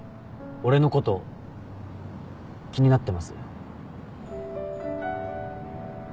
俺のこと気になって？